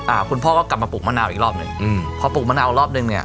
อ่าคุณพ่อก็กลับมาปลูกมะนาวอีกรอบหนึ่งอืมพอปลูกมะนาวรอบหนึ่งเนี้ย